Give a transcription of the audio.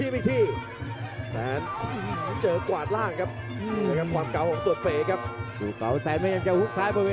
แป้งหลือกรบปากเลยครับ